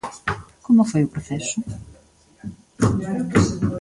Como foi o proceso?